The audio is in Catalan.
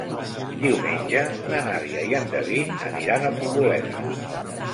Diumenge na Nàdia i en David aniran a Poboleda.